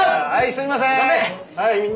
すいません！